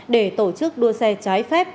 để tổ chức đua xe trái phép